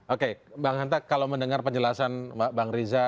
oke bang hanta kalau mendengar penjelasan bang riza